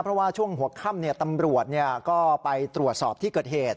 เพราะว่าช่วงหัวข้ำเนี่ยตำรวจเนี่ยก็ไปตรวจสอบที่เกิดเหตุ